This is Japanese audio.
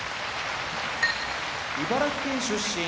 茨城県出身